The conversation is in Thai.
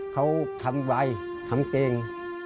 เขาทำไวทำเก่ง